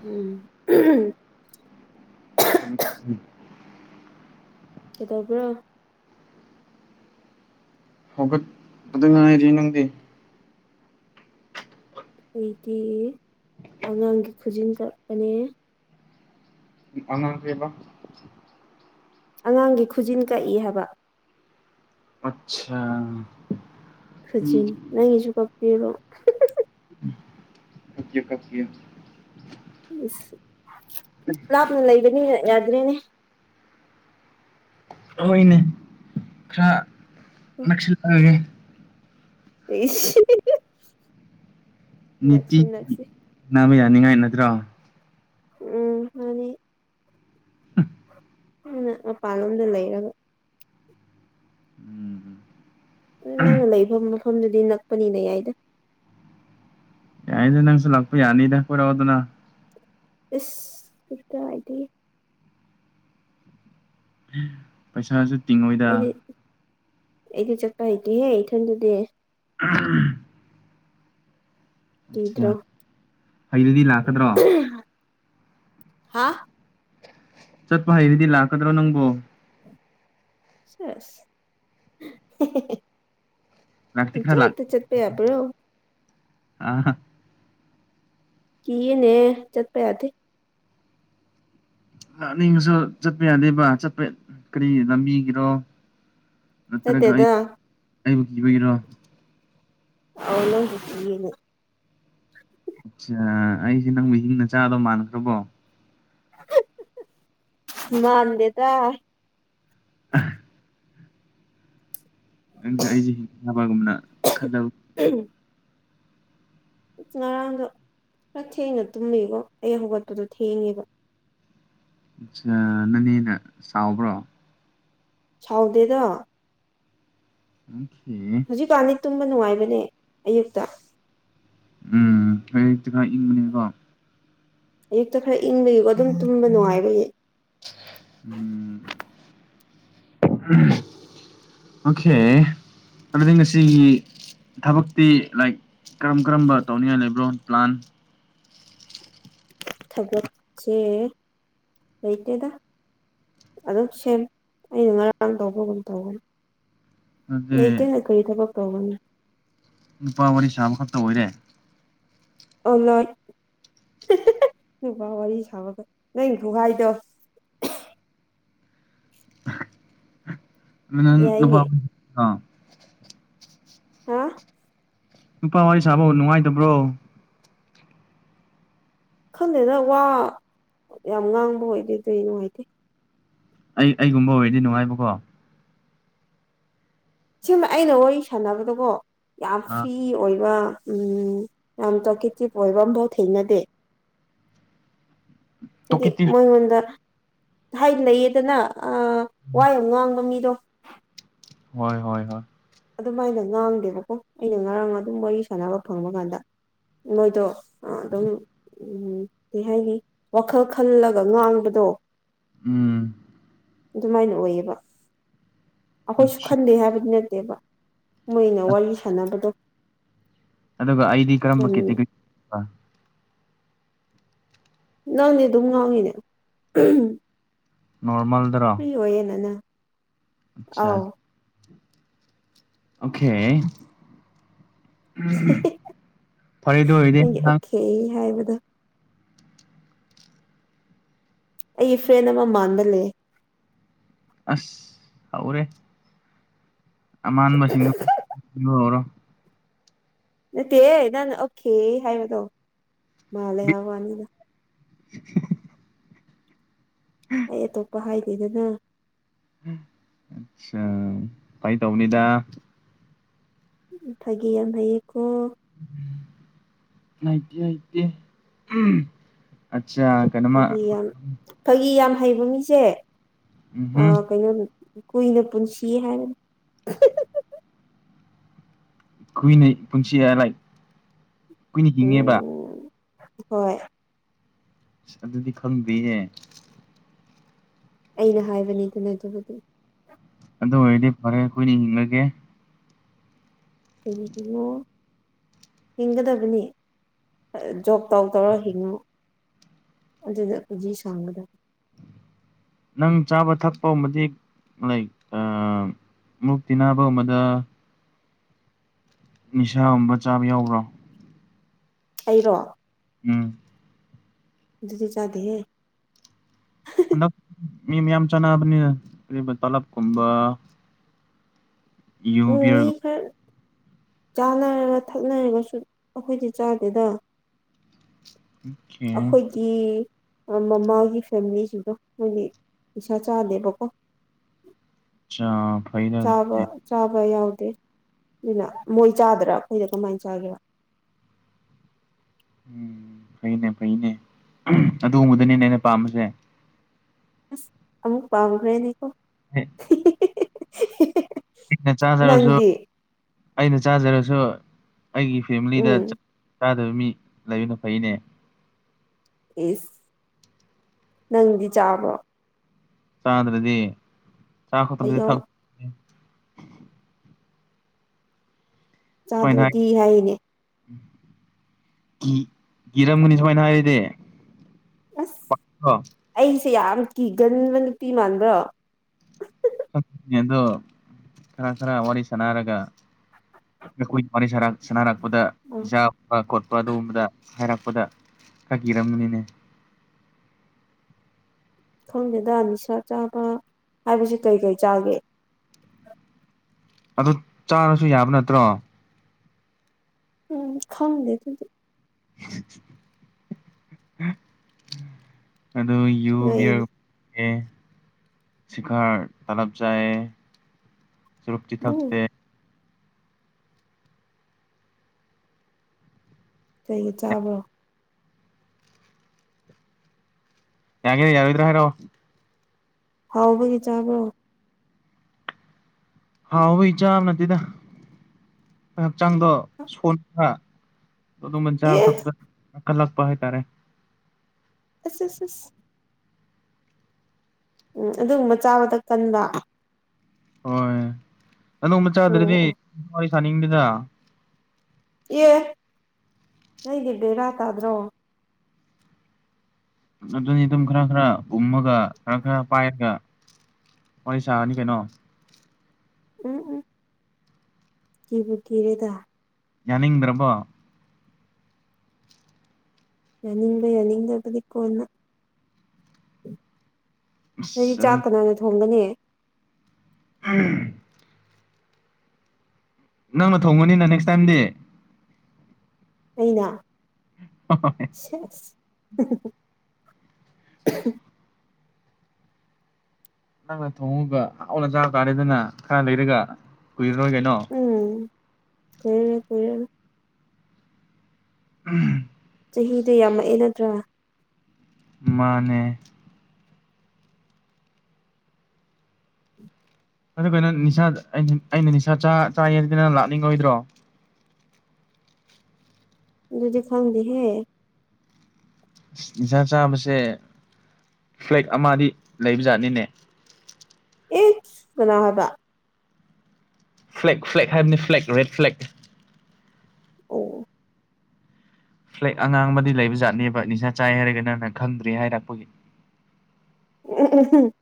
ꯎꯝ ꯀꯩꯅꯣ [inaudible] ꯀꯩꯗꯧꯕ꯭ꯔꯣ ꯍꯧꯒꯠ ꯄꯗ ꯉꯥꯏꯔꯤ ꯅꯪꯗꯤ ꯑꯩꯗꯤ ꯑꯉꯥꯡꯒꯤ ꯈꯨꯖꯤꯟ ꯀꯛꯄꯅꯦ ꯑꯉꯥꯡ ꯀꯦꯕ ꯑꯉꯥꯡꯒꯤ ꯈꯨꯖꯤꯟ ꯀꯛꯏ ꯍꯥꯏꯕ ꯑꯠꯁꯥ ꯈꯨꯖꯤꯟ ꯃꯤꯗꯤ ꯅꯪꯒꯤꯁꯨ ꯀꯛꯄꯤꯌꯨꯔꯣ ꯀꯛꯄꯤꯌꯣ ꯀꯛꯄꯤꯌꯣ ꯂꯥꯞꯅ ꯂꯩꯕꯅꯤꯅ ꯌꯥꯗ꯭ꯔꯦꯅꯦ ꯍꯣꯏꯅꯦ ꯈꯔ ꯅꯛꯁꯤꯜꯂꯛꯑꯒꯦ ꯏꯁ ꯍꯥꯍꯥꯍꯥ ꯅꯤꯇꯤ ꯅꯥꯕ ꯌꯥꯅꯤꯡꯉꯥꯏ ꯅꯠꯇ꯭ꯔꯣ ꯎꯝ ꯃꯥꯅꯤ ꯃꯤꯅ ꯃꯄꯥꯥꯟꯂꯣꯝꯗ ꯂꯩꯔꯒ ꯎꯝ ꯑꯗꯨ ꯅꯪꯅ ꯂꯩꯕ ꯃꯐꯝꯗꯨꯗꯤ ꯅꯛꯄꯅꯤꯅ ꯌꯥꯏꯗ ꯌꯥꯏꯅꯦ ꯅꯪꯁꯨ ꯂꯥꯛꯄ ꯌꯥꯅꯤꯗ ꯀꯣꯏꯔꯛꯑꯣꯗꯅ ꯏꯁ ꯢꯀꯥꯢꯗꯒꯤ ꯄꯩꯁꯥꯁꯨ ꯇꯤꯡꯉꯣꯏꯗ ꯑꯩꯗꯤ ꯑꯩꯗꯤ ꯆꯠꯄ ꯍꯩꯇꯦꯍꯦ ꯏꯊꯟꯗꯗꯤ ꯎꯝ ꯎꯝ ꯀꯤꯗ꯭ꯔꯣ ꯑ ꯍꯩꯌꯦꯡꯗꯤ ꯂꯥꯛꯀꯗ꯭ꯔꯣ ꯍꯥꯥ ꯆꯠꯄ ꯍꯩꯔꯗꯤ ꯂꯥꯛꯀꯗ꯭ꯔꯣ ꯅꯪꯕꯣ ꯁꯦꯁ ꯍꯦꯍꯦꯍꯦ ꯂꯥꯛꯇꯤ ꯈꯔ ꯂꯥꯛ ꯄꯨꯡꯆꯠꯇ ꯆꯠꯄ ꯌꯥꯕ꯭ꯔꯣ ꯑꯥ ꯀꯤꯌꯦꯅꯦ ꯆꯠꯄ ꯌꯥꯗꯦ ꯂꯥꯛꯅꯤꯡꯉꯁꯨ ꯆꯠꯄ ꯌꯥꯗꯦꯕ ꯆꯠꯄ ꯀꯔꯤ ꯂꯝꯕꯤꯒꯤꯔꯣ ꯅꯠꯇ꯭ꯔꯒ ꯑꯩ ꯆꯠꯇꯦꯗ ꯑꯩꯕꯨ ꯀꯤꯕꯒꯤꯔꯣ ꯑꯧ ꯅꯪꯕꯨ ꯀꯤꯌꯦꯅꯦ ꯑꯆꯥ ꯑꯩꯁꯦ ꯅꯪꯕꯨ ꯍꯤꯡꯅ ꯆꯥꯗꯧꯕ ꯃꯥꯟꯅꯈ꯭ꯔꯕꯣ [unintelligible] ꯃꯥꯥꯟꯗꯦꯗꯥ ꯑꯥ ꯅꯪꯖꯦ ꯑꯩꯖꯦ ꯍꯤꯡꯅꯕꯒꯨꯝꯕꯅ ꯈꯟꯂꯕ [unintelligible] ꯉꯔꯥꯡꯗꯣ ꯈ꯭ꯔ ꯊꯦꯡꯅ ꯇꯨꯝꯃꯩꯀꯣ ꯑꯩ ꯍꯧꯒꯠꯄꯗꯣ ꯊꯦꯡꯉꯦꯕ ꯁꯥ ꯅꯅꯦꯅ ꯁꯥꯎꯕ꯭ꯔꯣ ꯁꯥꯎꯗꯦꯗ ꯎꯝ ꯍꯧꯖꯤꯛꯀꯥꯟꯗꯤ ꯇꯨꯝꯕ ꯅꯨꯡꯉꯥꯏꯕꯅꯦ ꯑꯌꯨꯛꯇ ꯎꯝ ꯑꯌꯨꯛꯇ ꯈ꯭ꯔ ꯏꯪꯕꯅꯦꯀꯣ ꯑꯌꯨꯛꯇ ꯈꯔ ꯏꯪꯕꯒꯤꯀꯣ ꯑꯗꯨꯝ ꯇꯨꯝꯕ ꯅꯨꯡꯉꯥꯏꯕꯒꯤ ꯎꯝ [unintelligible] ꯑꯣꯈꯦ ꯑꯗꯨꯗꯤ ꯉꯁꯤꯒꯤ ꯊꯕꯛꯇꯤ ꯂꯥꯏꯛ ꯀꯔꯝ ꯀꯔꯝꯕ ꯇꯧꯅꯤꯡꯉꯥꯏ ꯂꯩꯕ꯭ꯔꯣ ꯄ꯭ꯂꯥꯟ ꯊꯕꯛꯁꯦ ꯂꯩꯩꯇꯦꯗ ꯑꯗꯨꯝ ꯁꯦꯝ ꯑꯩꯅ ꯉꯔꯥꯡ ꯇꯧꯕꯒꯨꯝ ꯇꯧꯒꯅꯤ ꯑꯗꯨꯗꯤ ꯂꯩꯇꯦꯅ ꯀꯔꯤ ꯊꯕꯛ ꯇꯧꯒꯅꯤ ꯅꯨꯄꯥ ꯋꯥꯔꯤ ꯁꯥꯕꯈꯛꯇ ꯑꯣꯏꯔꯦ ꯑꯣ ꯂꯣꯢ [unintelligible] ꯅꯨꯄꯥ ꯋꯥꯔꯤ ꯁꯥꯕꯈꯛ ꯅꯪ ꯈꯨꯍꯥꯏꯗꯣ ꯑꯗꯨ ꯅꯪ ꯅꯨꯄꯥ ꯌꯥꯏꯅꯦ [unintelligible] ꯍꯥ ꯅꯨꯄꯥ ꯋꯥꯔꯤ ꯁꯥꯕꯨ ꯅꯨꯡꯉꯥꯏꯗꯕ꯭ꯔꯣ ꯈꯟꯗꯦꯗ ꯋꯥ ꯌꯥꯝ ꯉꯥꯡꯕ ꯑꯣꯏꯗꯦ ꯗꯨꯏ ꯅꯨꯡꯉꯥꯏꯇꯦ ꯑꯩ ꯑꯩꯒꯨꯝꯕ ꯑꯣꯏꯔꯗꯤ ꯅꯨꯡꯉꯥꯏꯕꯀꯣ ꯁꯤꯃ ꯑꯩꯅ ꯋꯥꯔꯤ ꯁꯥꯟꯅꯕꯗꯀꯣ ꯌꯥꯝ ꯑꯥ ꯐ꯭ꯔꯤ ꯑꯣꯏꯕ ꯎꯝ ꯌꯥꯝ ꯇꯥꯀꯦꯇꯤꯞ ꯑꯣꯏꯕ ꯑꯝꯐꯥꯎ ꯊꯦꯡꯅꯗꯦ ꯍꯥꯏꯗꯤ ꯇꯣꯀꯤꯇꯤꯞ ꯃꯣꯏꯉꯣꯟꯗ ꯍꯥꯏ ꯂꯩꯌꯦꯗꯅ ꯑꯥ ꯋꯥ ꯌꯥꯝ ꯉꯥꯡꯕ ꯃꯤꯗꯣ ꯍꯣꯏ ꯍꯣꯏ ꯍꯣꯏ ꯑꯗꯨꯃꯥꯏꯅ ꯉꯥꯡꯗꯦꯕꯀꯣ ꯑꯩꯅ ꯉꯔꯥꯡ ꯑꯗꯨꯝ ꯋꯥꯔꯤ ꯁꯥꯟꯅꯕ ꯐꯪꯕ ꯀꯥꯟꯗ ꯃꯣꯏꯗꯣ ꯑ ꯑꯗꯨꯝ ꯑꯝ ꯀꯩ ꯍꯥꯏꯅꯤ ꯋꯥꯈꯜ ꯈꯜꯂꯒ ꯉꯥꯡꯕꯗꯣ ꯗꯣ ꯎꯝ ꯗꯨꯃꯥꯏꯅ ꯑꯣꯏꯌꯦꯕ ꯑꯈꯣꯏꯁꯨ ꯑꯠꯆꯥ ꯈꯟꯗꯦ ꯍꯥꯏꯕꯗꯤ ꯅꯠꯇꯦꯕ ꯃꯣꯏꯅ ꯋꯥꯔꯤ ꯁꯥꯟꯅꯕꯗꯣ ꯑꯗꯨꯒ ꯑꯩꯗꯤ ꯀꯔꯝꯕ ꯌꯥꯝ ꯀꯦꯇꯒꯔꯤ [unintelligible] ꯅꯪꯗꯤ ꯑꯗꯨꯝ ꯉꯥꯡꯉꯤꯅꯦ ꯐ꯭ꯔꯤ ꯑꯣꯏꯌꯦꯅ ꯅꯪ ꯑꯆꯥ ꯑꯥꯎ ꯑꯣꯈꯦ [unintelligible] ꯐꯔꯦ ꯑꯗꯣꯏꯗꯤ ꯅꯪꯒꯤ ꯅꯪ ꯑꯣꯀꯦ [unintelligible] ꯑꯩꯒꯤ ꯐ꯭ꯔꯦꯟ ꯑꯃ ꯃꯥꯟꯕ ꯂꯩꯌꯦ ꯑꯁ ꯍꯧꯔꯦ ꯑꯃꯥꯟꯕꯁꯤꯡꯗꯨ [unintelligible] ꯅꯠꯇꯦ ꯅꯪꯅ ꯑꯣꯈꯦ ꯍꯥꯏꯕꯗꯣ ꯃꯥꯂꯦ ꯍꯥꯏꯕꯋꯥꯅꯤꯗ [unintelligible] ꯑꯩ ꯑꯇꯣꯞꯄ ꯍꯥꯏꯗꯦꯗꯅ [unintelligible] ꯑꯆꯥ ꯐꯩꯇꯧꯕꯅꯤꯗ ꯐꯥꯒꯤ ꯌꯥꯝ ꯍꯩꯌꯦꯀꯣ [unintelligible] ꯀꯩꯅꯣꯃ ꯐꯥꯒꯤ ꯌꯥꯝ ꯐꯥꯒꯤ ꯌꯥꯝ ꯍꯩꯕ ꯃꯤꯁꯦ ꯑ ꯎꯝꯍꯨꯝ ꯀꯩꯅꯣ ꯀꯨꯏꯅ ꯄꯨꯟꯁꯤ ꯍꯥꯏꯕ [unintelligible] ꯀꯨꯏꯅ ꯄꯨꯟꯁꯤꯌꯦ ꯂꯥꯏꯒ ꯀꯨꯏꯅꯤ ꯍꯤꯡꯉꯦꯕ ꯎꯝ ꯍꯣꯏ ꯁ ꯑꯗꯨꯗꯤ ꯈꯪꯗꯦꯍꯦ ꯑꯩꯅ ꯍꯥꯏꯕꯅꯤꯗꯅ ꯑꯗꯨꯕꯨꯗꯤ ꯑꯗꯨ ꯑꯣꯏꯔꯗꯤ ꯐꯔꯦ ꯀꯨꯏꯅ ꯍꯤꯡꯉꯒꯦ ꯀꯔꯤꯒꯤꯅꯣ ꯍꯤꯡꯒꯗꯕꯅꯤ ꯖꯣꯕ ꯇꯧ ꯇꯧꯔꯒ ꯍꯤꯡꯉꯣ ꯑꯗꯨꯗ ꯄꯨꯟꯖꯤ ꯁꯥꯡꯕꯗꯣ ꯅꯪ ꯆꯥꯕ ꯊꯛꯄꯒꯨꯝꯕꯗꯤ ꯂꯥꯏꯛ ꯃꯨꯛꯇꯤꯅꯥꯕꯧꯃꯗ ꯅꯤꯁꯥꯒꯨꯝꯕ ꯆꯥꯕ ꯌꯥꯎꯕ꯭ꯔꯣ ꯑꯩꯔꯣ ꯎꯝ ꯑꯗꯨꯗꯤ ꯆꯥꯗꯦ ꯍꯦ ꯍꯟꯗꯛ ꯃꯤ ꯃꯌꯥꯝ ꯆꯥꯅꯕꯅꯤ [unintelligible] ꯇꯂꯞꯀꯨꯝꯕ ꯎꯝ ꯃꯤ ꯌꯨꯕꯤꯔꯒ ꯈ꯭ꯔ ꯆꯥꯅꯔꯒ ꯊꯛꯅꯔꯒꯁꯨ ꯑꯈꯣꯏꯗꯤ ꯆꯥꯗꯦꯗ ꯑꯈꯣꯏꯒꯤ ꯃꯃꯥꯒꯤ ꯐꯦꯃꯤꯂꯤꯁꯤꯡꯗꯣ ꯃꯣꯏꯗꯤ ꯄꯩꯁꯥ ꯆꯥꯗꯦꯕꯀꯣ ꯆꯥ ꯆꯥꯕ ꯐꯩꯅꯅꯦ ꯆꯥꯕ ꯌꯥꯎ [unintelligible] ꯑꯗꯨꯅ ꯃꯣꯏ ꯆꯥꯗ꯭ꯔꯥ ꯑꯈꯣꯏꯅ ꯀꯃꯥꯏ ꯆꯥꯒꯦꯔ ꯎꯝ ꯐꯩꯅꯦ ꯐꯩꯅꯦ ꯑꯗꯨꯒꯨꯝꯕꯗꯅꯦꯅꯦ ꯑꯩꯅ ꯄꯥꯝꯕꯁꯦ ꯑꯁ ꯑꯃꯨꯛ ꯄꯥꯝꯒ꯭ꯔꯦꯅꯦꯀꯣ ꯍꯦ ꯍꯦ ꯍꯦ ꯑꯩꯅ ꯆꯥꯖꯔꯁꯨ ꯑꯩꯅ ꯆꯥꯖꯔꯁꯨ ꯑꯩꯒꯤ ꯐꯦꯃꯤꯂꯤꯗ ꯎꯝ ꯆꯥꯗꯕ ꯃꯤ ꯂꯩꯕ ꯐꯩꯅꯦ ꯑ꯭꯭ꯢꯁ ꯅꯪꯗꯤ ꯆꯥꯕ꯭ꯔꯣ ꯆꯥꯗ꯭ꯔꯗꯤ ꯆꯥ ꯈꯗꯤ ꯑꯩꯌꯣ ꯊꯛ ꯁꯨꯃꯥꯏꯅ ꯍꯥꯏ ꯆꯥꯗ꯭ꯔꯗꯤ ꯍꯥꯏꯅꯦ ꯀꯤ ꯀꯤꯔꯝꯒꯅꯤ ꯁꯨꯃꯥꯏꯅ ꯍꯥꯏꯔꯗꯤ ꯑ [unintelligible] [inaudible] ꯁꯤ ꯌꯥꯝ ꯀꯤꯒꯟꯕ ꯅꯨꯄꯤ ꯃꯥꯟꯕ꯭ꯔꯣ [unintelligible] ꯑꯗꯣ ꯈꯔ ꯈꯔ ꯋꯥꯔꯤ ꯁꯥꯟꯅꯔꯒ ꯅꯈꯣꯏ ꯋꯥꯔꯤ ꯁꯔꯥ ꯁꯥꯟꯅꯔꯛꯄꯗ ꯎꯝ ꯖꯥꯕ ꯈꯣꯠꯄ ꯄ ꯑꯗꯨꯝꯕꯗ ꯍꯥꯏꯔꯛꯄꯗ ꯈꯔ ꯀꯤꯔꯝꯃꯅꯤꯅꯦ ꯈꯪꯗꯦꯗ ꯅꯤꯁꯥ ꯆꯥꯕ ꯍꯥꯏꯕꯁꯤ ꯀꯩ ꯀꯩ ꯆꯥꯒꯦ ꯑꯗꯨ ꯆꯥꯔꯁꯨ ꯌꯥꯕ ꯅꯠꯇ꯭ꯔꯣ ꯎꯝ ꯈꯪꯗꯦ ꯑꯗꯨꯗꯤ [inaudible] ꯑꯗꯨ ꯌꯨ ꯅꯣꯛꯏꯅꯦ ꯕ꯭ꯌꯥꯔ [unintelligible] ꯁꯤꯈꯥꯔ ꯇꯂꯞ ꯆꯥꯏ ꯆꯨꯔꯨꯞꯇꯤ ꯕꯨ ꯊꯛꯇꯦ ꯀꯩꯒꯤ ꯆꯥꯕ꯭ꯔꯣ ꯌꯥꯒꯦꯔ ꯌꯥꯔꯣꯏꯗ꯭ꯔ ꯍꯥꯏꯔꯛꯑꯣ ꯍꯥꯎꯕꯒꯤ ꯆꯥꯕ꯭ꯔꯣ ꯍꯥꯎꯕꯒꯤ ꯆꯥꯕ ꯅꯠꯇꯦꯗ ꯍꯛꯆꯥꯡꯗꯣ ꯁꯣꯟꯕ ꯑꯗꯨꯉꯟ ꯆꯥꯕ ꯑꯦ ꯊꯛꯄꯗ ꯀꯜꯂꯛꯄ ꯍꯥꯏꯇꯥꯔꯦ ꯑꯁ ꯑꯁ ꯑꯁ ꯎꯝ ꯑꯗꯨꯒꯨꯝꯕ ꯆꯥꯕꯗ ꯀꯟꯕ ꯍꯣꯏ ꯑꯗꯨꯒꯨꯝꯕ ꯑꯣ ꯆꯥꯗ꯭ꯔꯗꯤ ꯑꯣ ꯋꯥꯔꯤ ꯁꯥꯅꯤꯡꯗꯦꯗ ꯑꯦ ꯅꯪꯗꯤ ꯕꯦꯔꯥ ꯇꯥꯗ꯭ꯔꯣ ꯑꯥꯗꯨꯅꯤ ꯗꯨꯝ ꯈꯔ ꯈꯔ ꯎꯝꯃꯒ ꯈꯔ ꯈꯔ ꯄꯥꯏꯔꯒ ꯋꯥꯔꯤ ꯁꯥꯔꯅꯤ ꯀꯩꯅꯣ ꯎꯝ ꯎꯝ ꯀꯤꯕꯨ ꯀꯤꯔꯦꯗ ꯌꯥꯅꯤꯡꯗ꯭ꯔꯥꯕꯣ ꯌꯥꯅꯤꯡꯕ ꯌꯥꯅꯤꯡꯗꯕꯗꯤ ꯀꯣꯟꯅ ꯅꯣꯏꯗꯤ ꯑꯁ ꯑꯗꯨ ꯆꯥꯛ ꯀꯅꯥꯅ ꯊꯣꯡꯒꯅꯤ ꯑꯝ ꯅꯪꯅ ꯊꯣꯡꯉꯅꯤꯅ ꯅꯦꯛꯁ ꯇꯥꯏꯝꯗꯤ ꯑꯩꯅ ꯁꯦꯁ [unintelligible] ꯅꯪꯅ ꯊꯣꯡꯉꯒ ꯍꯥꯎꯅ ꯆꯥꯕ ꯇꯥꯔꯦꯗꯅ ꯈꯔ ꯂꯩꯔꯒ ꯀꯨꯏꯔꯔꯣꯏ ꯀꯩꯅꯣ ꯎꯝ ꯀꯨꯏꯔꯔꯣꯏ ꯀꯨꯏꯔꯔꯣꯏ ꯎꯝ ꯆꯍꯤꯗꯨ ꯌꯥꯝꯃꯛꯑꯦ ꯅꯠꯇ꯭ꯔꯥ ꯃꯥꯟꯅꯦ ꯑꯗꯨ ꯀꯩꯅꯣ ꯅꯤꯁꯥ ꯑꯩꯅ ꯅꯤꯁꯥ ꯆ ꯆꯥꯌꯦꯗꯤ ꯅꯪ ꯂꯥꯛꯅꯤꯡꯉꯣꯏꯗ꯭ꯔꯣ ꯑꯥꯗꯨꯗꯤ ꯈꯪꯗꯦꯍꯦ ꯅꯤꯁꯥ ꯆꯥꯕꯁꯦ ꯐ꯭ꯂꯦꯛ ꯑꯃꯗꯤ ꯂꯩꯕꯖꯥꯠꯅꯤꯅꯦ ꯏꯁ ꯀꯅꯥ ꯍꯥꯏꯕ ꯐ꯭ꯂꯦꯛ ꯐ꯭ꯂꯦꯛ ꯍꯥꯏꯕꯅꯤ ꯐ꯭ꯂꯦꯛ ꯔꯦꯠ ꯐ꯭ꯂꯦꯛ ꯑꯧꯑꯣ ꯐ꯭ꯂꯦꯛ ꯑꯉꯥꯡꯕꯗꯤ ꯂꯩꯕ ꯖꯥꯠꯅꯦꯕ ꯅꯤꯁꯥ ꯆꯥꯏ ꯍꯥꯏꯔꯒ ꯅꯪꯅ ꯈꯪꯗ꯭ꯔꯦ ꯍꯥꯏꯔꯛꯄꯒꯤ ꯎꯝ ꯎꯝ ꯍꯨꯝ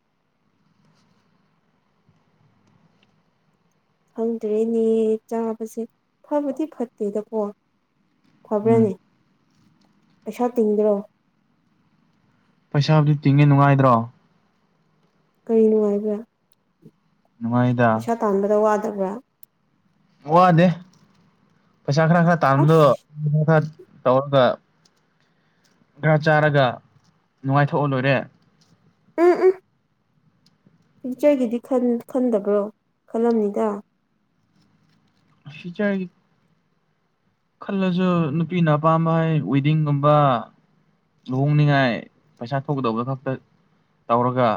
ꯈꯪꯗ꯭ꯔꯦꯅꯦ ꯆꯥꯕꯁꯦ ꯐꯕꯗꯤ ꯐꯠꯇꯦꯗꯀꯣ ꯎꯝ ꯐꯕ꯭ꯔꯥꯅꯦ ꯄꯩꯁꯥ ꯇꯤꯡꯗ꯭ꯔꯣ ꯄꯩꯁꯥꯕꯨꯗꯤ ꯇꯤꯡꯉꯤ ꯅꯨꯡꯉꯥꯏꯇ꯭ꯔꯣ ꯀꯩ ꯅꯨꯡꯉꯥꯏꯕ꯭ꯔꯥ ꯅꯨꯡꯉꯥꯏꯗ ꯄꯩꯁꯥ ꯇꯥꯟꯕꯗ ꯋꯥꯗꯕ꯭ꯔꯥ ꯋꯥꯗꯦ ꯄꯩꯁꯥ ꯈꯔ ꯈꯔ ꯇꯥꯟꯕꯗꯣ ꯑꯁ [unintelligible] ꯇꯧꯔꯒ ꯈꯔ ꯆꯥꯔꯒ ꯅꯨꯡꯉꯥꯏꯊꯣꯛꯑ ꯂꯣꯏꯔꯦ ꯎꯝ ꯎꯝ ꯐ꯭ꯌꯨꯆꯔꯒꯤꯗꯤ ꯈꯟ ꯈꯟꯗꯕ꯭ꯔꯣ ꯈꯜꯂꯝꯅꯤꯗ [unintelligible] ꯈꯜꯂꯖꯨ ꯅꯨꯄꯤꯅ ꯑꯄꯥꯝꯕ ꯍꯥꯏ ꯋꯦꯗꯤꯡꯒꯨꯝꯕ ꯂꯨꯍꯣꯡꯅꯤꯉꯥꯏ ꯄꯩꯁꯥ ꯊꯣꯛꯀꯗꯧꯕ ꯈꯛꯇ ꯇꯧꯔꯒ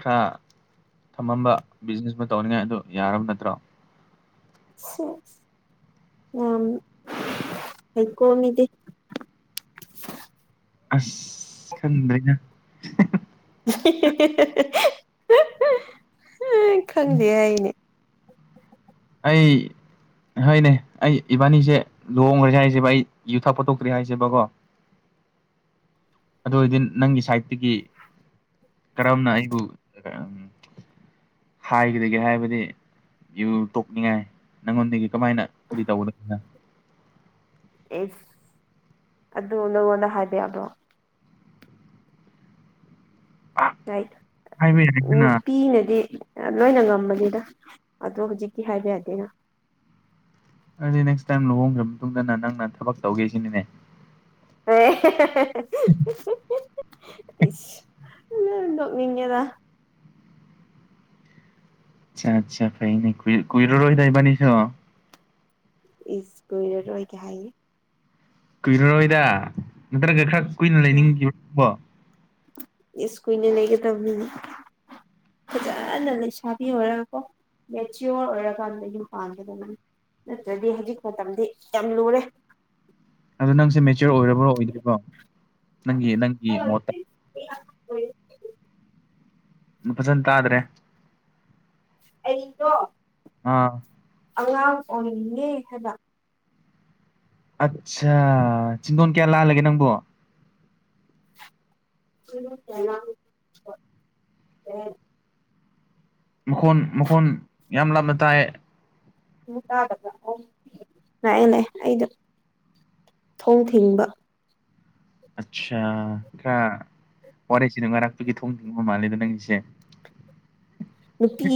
ꯈ꯭ꯔꯥ ꯊꯝꯃꯝꯕ ꯕꯤꯖꯤꯅꯦꯁ ꯑꯃ ꯇꯧꯅꯤꯉꯥꯏ ꯑꯗꯨ ꯌꯥꯔꯕ ꯅꯠꯇ꯭ꯔꯣ ꯁꯦꯁ ꯌꯥꯝ ꯍꯩꯀꯣ ꯃꯤꯗꯤ ꯑꯁ ꯈꯪꯗ꯭ꯔꯦꯅ [unintelligible] [unintelligible] ꯈꯪꯗꯦ ꯍꯥꯢꯅꯦ ꯑꯩ ꯍꯣꯏꯅꯦ ꯑꯩ ꯏꯕꯥꯅꯤꯁꯦ ꯂꯨꯍꯣꯡꯔꯁꯦ ꯍꯥꯏꯁꯦꯕ ꯑꯩ ꯌꯨꯊꯥꯄ ꯊꯣꯛꯇ꯭ꯔꯤ ꯍꯥꯏꯁꯦꯕꯀꯣ ꯑꯗꯨ ꯑꯣꯏꯗꯤ ꯅꯪꯒꯤ ꯁꯥꯏꯠꯇꯒꯤ ꯀꯔꯝꯅ ꯑꯩꯕꯨ ꯎ ꯍꯥꯏꯒꯗꯒꯦ ꯍꯥꯏꯕꯗꯤ ꯌꯨ ꯇꯣꯛꯅꯤꯡꯉꯥꯏ ꯅꯪꯉꯣꯟꯗꯒꯤ ꯀꯃꯥꯏꯅ ꯀꯔꯤ [unintelligible] ꯅꯪ ꯑꯦꯁ ꯑꯗꯨ ꯅꯉꯣꯟꯗ ꯍꯥꯏꯕ ꯌꯥꯕ꯭ꯔꯣ ꯔꯥꯏꯠ ꯍꯥꯏꯕ ꯌꯥꯏꯗꯅ ꯅꯨꯄꯤꯅꯗꯤ ꯂꯣꯏꯅ ꯉꯝꯕꯅꯤꯗ ꯑꯗꯣ ꯍꯧꯖꯤꯛꯇꯤ ꯍꯥꯏꯕ ꯌꯥꯗꯦꯅ ꯑꯗꯨꯗꯤ ꯅꯦꯛꯁ ꯇꯥꯏꯝ ꯂꯨꯍꯣꯡꯈ꯭ꯔ ꯃꯇꯨꯡꯗ ꯅꯪꯅ ꯊꯕꯛ ꯇꯧꯒꯦꯁꯤꯅꯤꯅꯦ ꯍꯣꯏ ꯍꯦꯍꯦ ꯏꯁ ꯅꯣꯛꯅꯤꯡꯉꯦꯗ ꯑꯆꯥ ꯆꯥ ꯐꯩꯅꯦ ꯀꯨꯏꯔꯔꯣꯏꯗ ꯏꯕꯅꯤꯁꯨ ꯏꯁ ꯀꯨꯏꯔꯔꯣꯏꯒ ꯍꯥꯏꯅꯤ ꯀꯨꯏꯔꯔꯣꯏꯗ ꯅꯠꯇ꯭ꯔꯒ ꯈꯥꯔ ꯀꯨꯏꯅ ꯑꯥ ꯂꯩꯅꯤꯡꯈꯤꯕꯕꯣ ꯏꯁ ꯀꯨꯏꯅ ꯂꯩꯒꯗꯝꯅꯤꯅꯦ ꯐꯖꯅ ꯂꯩꯁꯥꯕꯤ ꯑꯣꯏꯔꯒꯀꯣ ꯃꯦꯆꯤꯌꯣꯔ ꯑꯣꯏꯔꯀꯥꯟꯗ ꯌꯨꯝ ꯄꯥꯡꯒꯗꯝꯅꯦ ꯅꯠꯇ꯭ꯔꯗꯤ ꯍꯧꯖꯤꯛ ꯃꯇꯝꯗꯤ ꯌꯥꯝ ꯂꯨꯔꯦ ꯑꯗꯣ ꯅꯪꯁꯦ ꯃꯦꯆꯤꯌꯣꯔ ꯑꯣꯏꯔꯕ꯭ꯔꯥ ꯑꯣꯏꯗ꯭ꯔꯤꯕꯣ ꯅꯪꯒꯤ ꯅꯪꯒꯤ ꯃꯣꯠꯇ ꯑꯣꯏ [unintelligible] ꯃꯨꯛ ꯐꯖꯅ ꯇꯥꯗ꯭ꯔꯦ ꯑꯩꯗꯣ ꯑꯥ ꯑꯉꯥꯡ ꯑꯣꯏꯅꯤꯡꯉꯦ ꯍꯥꯏꯕ ꯑꯠꯁꯥ ꯆꯤꯟꯗꯣꯟ ꯀꯌꯥ ꯂꯥꯜꯂꯒꯦ ꯅꯪꯕꯨ ꯆꯤꯡꯗꯣꯟ ꯀꯌꯥ ꯂꯥꯜꯂꯒꯦ ꯍꯥꯏꯕ ꯀꯩ ꯍꯥꯏꯅꯣ ꯃꯈꯣꯟ ꯃꯈꯣꯟ ꯌꯥꯝ ꯂꯥꯞꯅ ꯇꯥꯏꯌꯦ ꯑꯃꯨꯛ ꯇꯥꯗꯕ꯭ꯔꯥ ꯂꯥꯛꯑꯦ ꯂꯥꯛꯑꯦ ꯑꯩꯗꯨ ꯊꯣꯡ ꯊꯤꯡꯕ ꯑꯠꯆꯥ ꯈ꯭ꯔꯥ ꯋꯥꯔꯤꯁꯤ ꯅꯨꯡꯉꯥꯏꯔꯥꯛꯄꯒꯤ ꯊꯣꯡ ꯊꯤꯡꯕ ꯃꯥꯜꯂꯦꯗ ꯅꯪꯒꯤꯁꯦ ꯅꯨꯄꯤ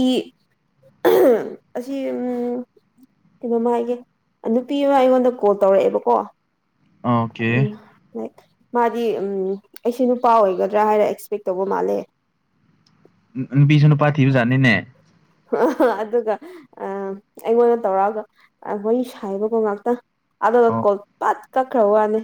ꯑꯁꯤ ꯎꯝ ꯀꯩꯩꯅꯝ ꯍꯥꯏꯒꯦ ꯅꯨꯄꯤ ꯑꯃ ꯑꯩꯉꯣꯟꯗ ꯀꯣꯜ ꯇꯧꯔꯛꯑꯦꯕꯀꯣ ꯑꯣꯀꯦ ꯎꯝ ꯍꯣꯏ ꯃꯥꯗꯤ ꯎꯝ ꯑꯩꯁꯦ ꯅꯨꯄꯥ ꯑꯣꯏꯒꯗ꯭ꯔꯥ ꯍꯥꯏꯔ ꯑꯦꯛꯁꯄꯦꯛ ꯇꯧꯕ ꯃꯥꯜꯂꯦ ꯎꯝ ꯅꯨꯄꯤꯁꯨ ꯊꯤꯕ ꯖꯥꯠꯅꯤꯅꯦ ꯑꯗꯨꯒ ꯑ ꯑꯩꯉꯣꯟꯗ ꯇꯧꯔꯛꯑꯒ ꯋꯥꯔꯤ ꯁꯥꯏꯕꯀꯣ ꯉꯥꯛꯇꯪ ꯑꯗꯨ ꯑꯣ ꯀꯣꯜ ꯄꯠ ꯀꯛꯈ꯭ꯔ ꯋꯥꯅꯦ